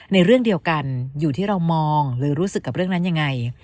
ในเรื่องเดียวกันอยู่ที่เรามองหรือรู้สึกกับเรื่องนั้นยังไง